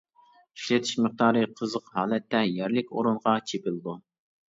ئىشلىتىش مىقدارى: قىزىق ھالەتتە يەرلىك ئورۇنغا چېپىلىدۇ.